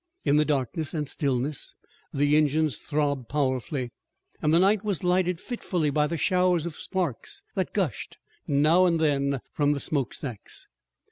In the darkness and stillness the engines throbbed powerfully, and the night was lighted fitfully by the showers of sparks that gushed now and then from the smoke stacks.